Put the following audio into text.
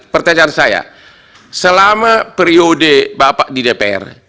pertanyaan saya selama periode bapak di dpr